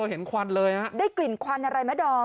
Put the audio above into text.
ควันเลยฮะได้กลิ่นควันอะไรไหมดอม